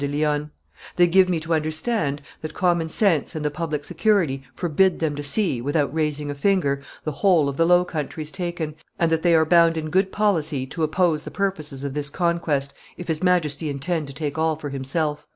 de Lionne; "they give me to understand that common sense and the public security forbid them to see, without raising a finger, the whole of the Low Countries taken, and that they are bound in good policy to oppose the purposes of this conquest if his Majesty intend to take all for himself."